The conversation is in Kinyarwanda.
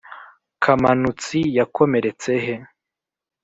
Kamanutsi yakomeretse he?